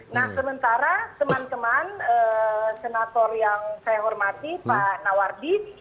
nah sementara teman teman senator yang saya hormati pak nawardi